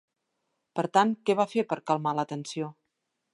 Per tant, què va fer per a calmar la tensió?